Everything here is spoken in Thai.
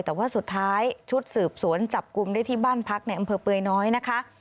แต่ว่าสุดท้ายชุดสืบสวนจับกลุ่มได้ที่บ้านพักในอำเภอเปื่อยน้อยนะคะ